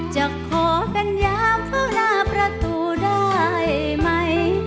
จะขอเป็นยามเฝ้าหน้าประตูได้ไหม